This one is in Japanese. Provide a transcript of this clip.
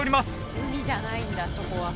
海じゃないんだそこは。